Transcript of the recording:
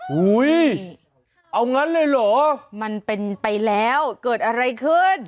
อุ้ยเอางั้นเลยเหรอมันเป็นไปแล้วเกิดอะไรขึ้น